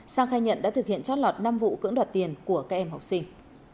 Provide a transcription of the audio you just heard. sang khai nhận đã thực hiện trót lọt năm vụ cưỡng đoạt tiền của các em học sinh